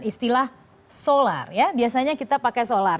istilah solar ya biasanya kita pakai solar